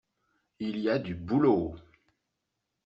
Il y a du boulot.